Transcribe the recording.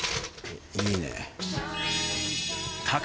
いいね。